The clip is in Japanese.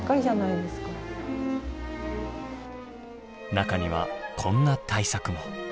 中にはこんな大作も。